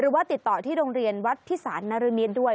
หรือว่าติดต่อที่โรงเรียนวัดภิษานริเมียด้วย